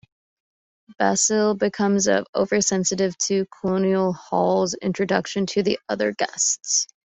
Basil becomes oversensitive to Colonel Hall's introduction to the other guests.